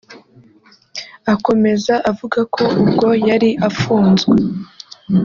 Akomeza avuga ko ubwo yari afunzwe